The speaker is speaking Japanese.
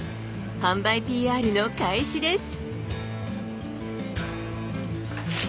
販売ＰＲの開始です。